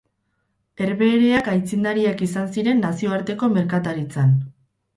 Herbehereak aitzindariak izan ziren nazioarteko merkataritzan.